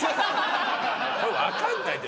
これ分かんないって